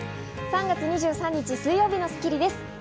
３月２３日、水曜日の『スッキリ』です。